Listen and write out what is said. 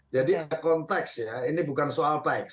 jadi ada konteks ya ini bukan soal teks